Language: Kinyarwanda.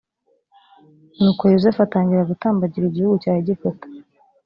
nuko yozefu atangira gutambagira igihugu cya egiputa